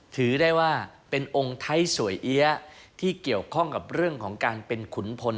ถือได้ว่าเป็นองค์ไทยสวยเอี๊ยะที่เกี่ยวข้องกับเรื่องของการเป็นขุนพล